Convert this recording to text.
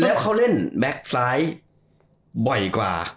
แล้วเขาเล่นแบ็คซ้ายบ่อยกว่า